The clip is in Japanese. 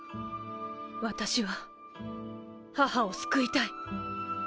私は母を救いたい。